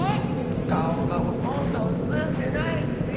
かおがほとんどうつってないッスよ。